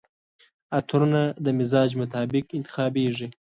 عطرونه د مزاج مطابق انتخابیږي.